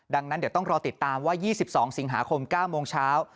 ดังนั้นเดี๋ยวต้องรอติดตามว่า๒๒สิงหาคม๙โมงเช้า